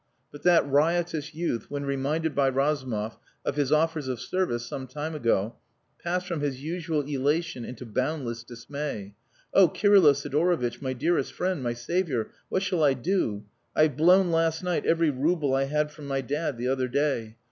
But that riotous youth, when reminded by Razumov of his offers of service some time ago, passed from his usual elation into boundless dismay. "Oh, Kirylo Sidorovitch, my dearest friend my saviour what shall I do? I've blown last night every rouble I had from my dad the other day.